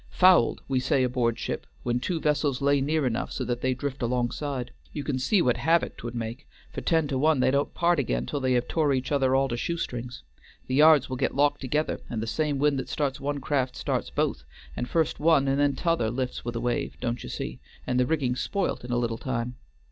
"Fouled, we say aboard ship, when two vessels lay near enough so that they drift alongside. You can see what havick 't would make, for ten to one they don't part again till they have tore each other all to shoestrings; the yards will get locked together, and the same wind that starts one craft starts both, and first one and then t'other lifts with a wave, don't ye see, and the rigging's spoilt in a little time.